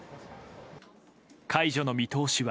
解除の見通しは。